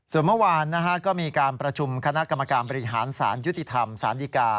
ส่วนเมื่อวานก็มีการประชุมคณะกรรมการบริหารสารยุติธรรมศาลดีกา